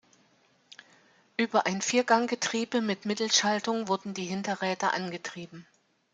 Über ein Viergang-Getriebe mit Mittelschaltung wurden die Hinterräder angetrieben.